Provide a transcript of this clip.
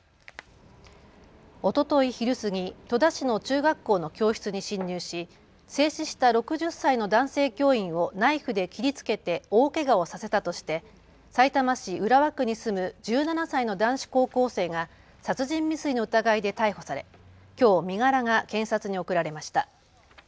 おととい昼過ぎ、戸田市の中学校の教室に侵入し制止した６０歳の男性教員をナイフで切りつけて大けがをさせたとしてさいたま市浦和区に住む１７歳の男子高校生が殺人未遂の疑いで逮捕され、きょう身柄が検察に送られました。